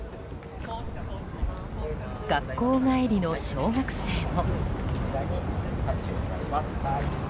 学校帰りの小学生も。